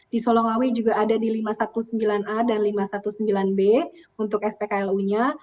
di solongawi juga ada di lima ratus sembilan belas a dan lima ratus sembilan belas b untuk spklu nya